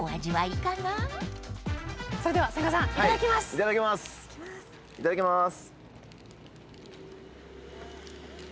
いただきます。